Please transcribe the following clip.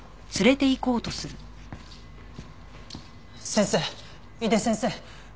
先生井手先生！